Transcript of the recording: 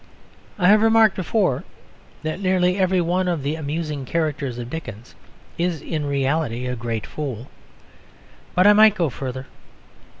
I have remarked before that nearly every one of the amusing characters of Dickens is in reality a great fool. But I might go further.